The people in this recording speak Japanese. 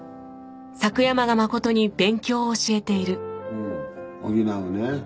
うん「補う」ね。